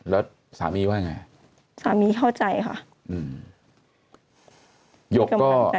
แล้วสามีว่าไงสามีเข้าใจค่ะอืม